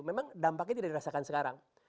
memang dampaknya tidak dirasakan sekarang